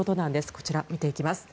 こちら、見ていきます。